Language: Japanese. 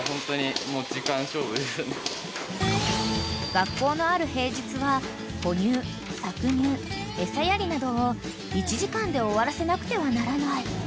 ［学校のある平日は哺乳搾乳餌やりなどを１時間で終わらせなくてはならない］